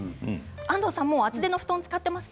安藤さん、もう厚手の布団